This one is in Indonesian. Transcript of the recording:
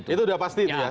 itu sudah pasti